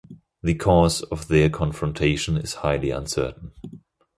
The cause of their confrontation is highly uncertain.